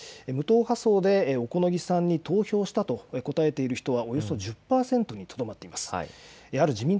無党派層で小此木さんに投票をしたと答えている人はおよそ１０％にとどまっています。